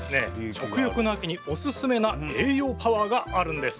食欲の秋にオススメな栄養パワーがあるんです。